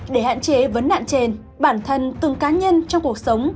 để hạn chế vấn nạn trên bản thân từng cá nhân trong cuộc sống